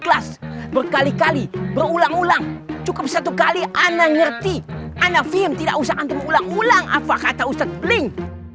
ikhlas berkali kali berulang ulang cukup satu kali anda ngerti anda fiham tidak usah anda berulang ulang apa kata ustaz link